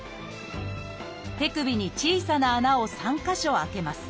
手首に小さな穴を３か所あけます。